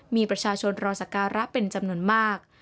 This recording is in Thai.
มีประชาชนรอสการะเป็นจำนวนมาก